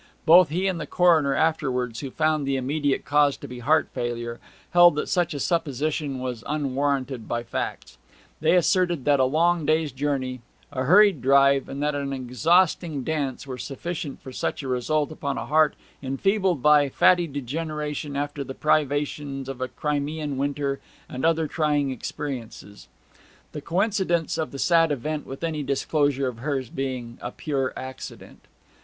Both he and the coroner afterwards, who found the immediate cause to be heart failure, held that such a supposition was unwarranted by facts. They asserted that a long day's journey, a hurried drive, and then an exhausting dance, were sufficient for such a result upon a heart enfeebled by fatty degeneration after the privations of a Crimean winter and other trying experiences, the coincidence of the sad event with any disclosure of hers being a pure accident.